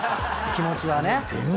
気持ちはね。